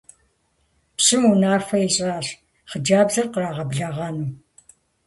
Пщым унафэ ищӀащ хъыджэбзыр кърагъэблэгъэну.